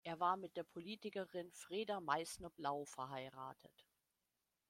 Er war mit der Politikerin Freda Meissner-Blau verheiratet.